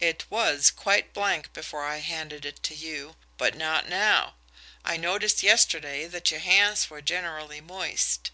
"It WAS quite blank before I handed it to you but not now. I noticed yesterday that your hands were generally moist.